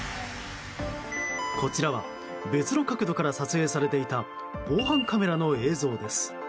こちらは別の角度から撮影されていた防犯カメラの映像です。